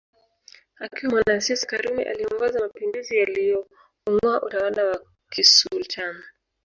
Akiwa mwanasiasa karume aliongoza mapinduzi yalioungoa utawala wa kisultan